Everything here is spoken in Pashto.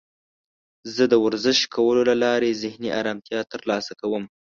زه د ورزش کولو له لارې ذهني آرامتیا ترلاسه کوم.